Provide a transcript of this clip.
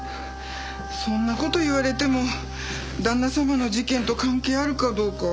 そんな事言われても旦那様の事件と関係あるかどうかわからないし。